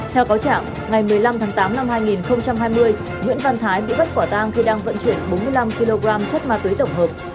theo cáo trạng ngày một mươi năm tháng tám năm hai nghìn hai mươi nguyễn văn thái bị bắt quả tang khi đang vận chuyển bốn mươi năm kg chất ma túy tổng hợp